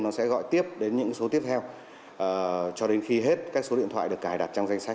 nó sẽ gọi tiếp đến những số tiếp theo cho đến khi hết các số điện thoại được cài đặt trong danh sách